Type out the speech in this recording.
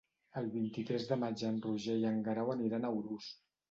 El vint-i-tres de maig en Roger i en Guerau aniran a Urús.